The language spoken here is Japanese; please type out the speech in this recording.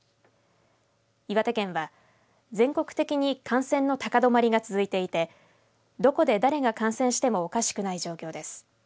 岩手県は全国的に感染の高止まりが続いていてどこで誰が感染してもおかしくない状況です。